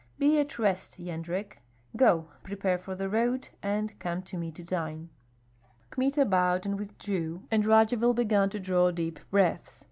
Be at rest, Yendrek. Go, prepare for the road, and come to me to dine." Kmita bowed and withdrew, and Radzivill began to draw deep breaths.